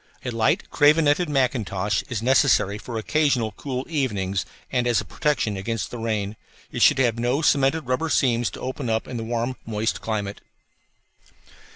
A light cravenetted mackintosh is necessary for occasional cool evenings and as a protection against the rain. It should have no cemented rubber seams to open up in the warm, moist climate.